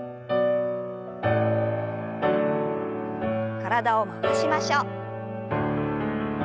体を回しましょう。